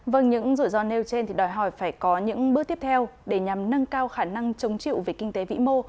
vâng những rủi ro nêu trên thì đòi hỏi phải có những bước tiếp theo để nhằm nâng cao khả năng chống chịu về kinh tế vĩ mô